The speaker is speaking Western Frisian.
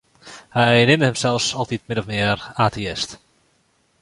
Hy neamde himsels altyd min of mear ateïst.